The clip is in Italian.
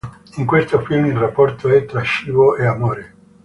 In questo film il rapporto è tra cibo e amore.